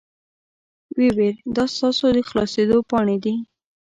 وې ویل دا ستاسو د خلاصیدو پاڼې دي.